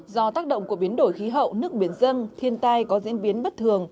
do tác động của biến đổi khí hậu nước biển dân thiên tai có diễn biến bất thường